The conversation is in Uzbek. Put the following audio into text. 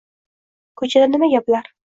Ko'chada nima gapla?